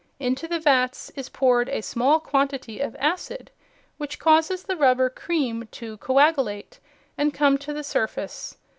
Into the vats is poured a small quantity of acid, which causes the rubber "cream" to coagulate and come to the surface.